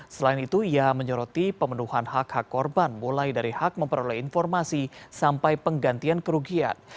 selain itu ia menyoroti pemenuhan hak hak korban mulai dari hak memperoleh informasi sampai penggantian kerugian